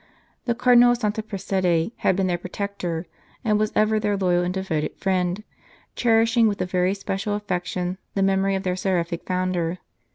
The Cardinal of Santa Prassede had been their protector, and was ever their loyal and devoted friend, cherishing with a very special affection the memory of their seraphic founder.